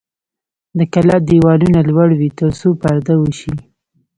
د کلا دیوالونه لوړ وي ترڅو پرده وشي.